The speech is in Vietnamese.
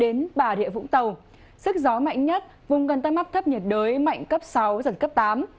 đến bà rịa vũng tàu sức gió mạnh nhất vùng gần tâm áp thấp nhiệt đới mạnh cấp sáu giật cấp tám